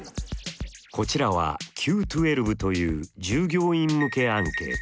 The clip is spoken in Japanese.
こちらはＱ１２という従業員向けアンケート。